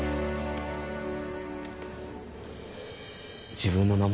自分の名前？